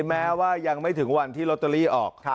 แม้ว่ายังไม่ถึงวันที่ลอตเตอรี่ออก